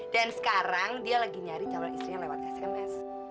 dan sekarang dia sedang mencari calon istri yang lewat sms